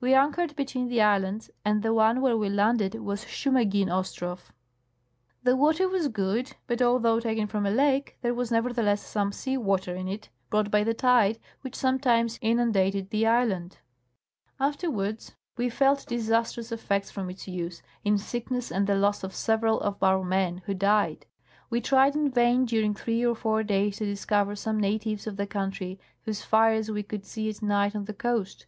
We anchored between the islands, and the one where we landed was Schoumagin Ostrow. The water was good, but although' taken from a lake, there was, nevertheless, some sea water in it brought by the tide, which sometimes inundated the island. Afterwards Accounl of the Eussian Officer ( Waxel). 227 we felt disastrous effects from its use, in sickness and the loss of several of our men, who died. We tried in vain during three or four days to discover some natiA^es of the country, whose fires we could see at night on the coast.